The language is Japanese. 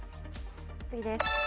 次です。